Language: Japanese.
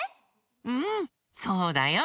うんそうだよ。